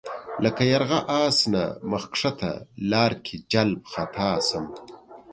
لکه یرغه آس نه مخ ښکته لار کې جلَب خطا شم